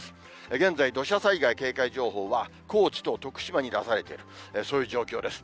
現在、土砂災害警戒情報は高知と徳島に出されている、そういう状況です。